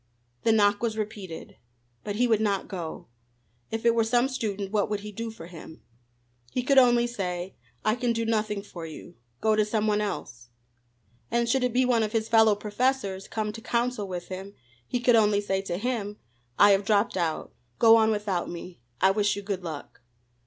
The knock was repeated. But he would not go. If it were some student, what could he do for him? He could only say: "I can do nothing for you. Go to some one else." And should it be one of his fellow professors, come to counsel with him, he could only say to him: "I have dropped out. Go on without me. I wish you good luck."